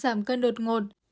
giảm cân đột ngột